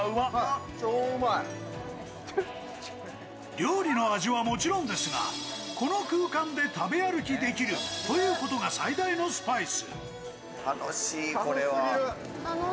料理の味はもちろんですが、この空間で食べ歩きできるということが最大のスパイス。